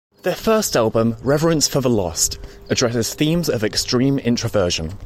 Their first album, "Reverence for the Lost", addresses themes of extreme introversion.